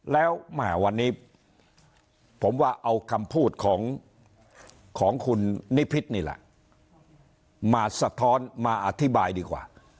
แล้วแหมวันนี้ผมว่าเอาคำพูดของคุณนิพิษนี่แหละมาสะท้อนมาอธิบายดีกว่า